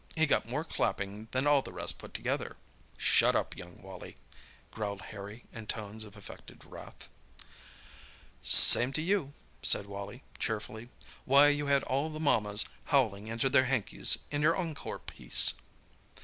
He got more clapping than all the rest put together." "Shut up, young Wally!" growled Harry in tones of affected wrath. "Same to you," said Wally cheerfully. "Why, you had all the mammas howling into their hankies in your encore piece!"